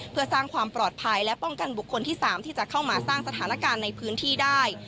เพื่อสร้างความปลอดภัยและป้องกันบุคคลที่๓ที่จะเข้ามาสร้างสถานการณ์ในพื้นที่ได้